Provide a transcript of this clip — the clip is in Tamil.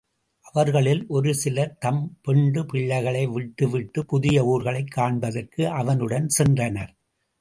அவர்களுள் ஒரு சிலர் தம் பெண்டு பிள்ளைகளை விட்டுவிட்டுப் புதிய ஊர்களைக் காண்பதற்கு அவனுடன் சென்றனர்.